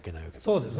そうですね。